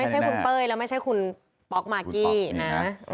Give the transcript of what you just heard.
ไม่ใช่คุณเป้ยแล้วไม่ใช่คุณป๊อกมากกี้นะ